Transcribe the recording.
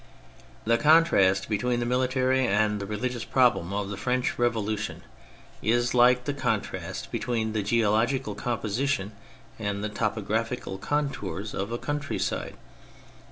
The contrast betw^een the military and the religious problem of the French Revolution is like the contrast between the geological composition and the topographical contours of a countryside.